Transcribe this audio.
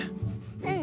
うん。